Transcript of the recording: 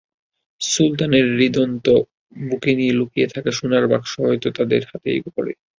সুলতানের হৃদ্যন্ত্র বুকে নিয়ে লুকিয়ে থাকা সোনার বাক্স হয়তো তাদের হাতেই পড়ে।